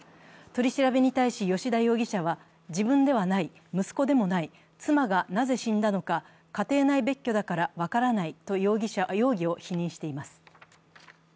取り調べに対し吉田容疑者は、自分ではない、息子でもない、妻がなぜ死んだのか、家庭内別居だから分からないと容疑を否認しています。